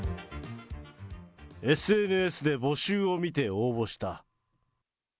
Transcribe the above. ＳＮＳで募集を見て応募した。